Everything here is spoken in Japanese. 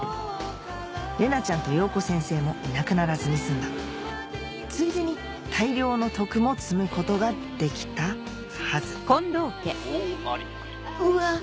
玲奈ちゃんと洋子先生もいなくならずに済んだついでに大量の徳も積むことができたはずうわ